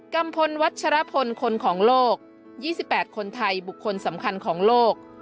ัมพลวัชรพลคนของโลก๒๘คนไทยบุคคลสำคัญของโลก